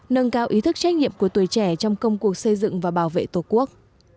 nâng cao ý thức trách nhiệm của tuổi trẻ trong công cuộc xây dựng và bảo vệ tổ quốc